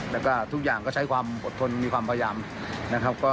แล้วก็ทุกอย่างก็ใช้ความอดทนมีความพยายามนะครับ